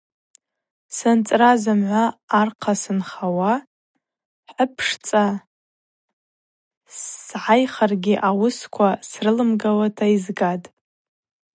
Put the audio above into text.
Сынцӏра зымгӏва архъа сынхауа, хӏыпшцӏа сгӏайхыргьи ауысква срылымгауа йызгатӏ.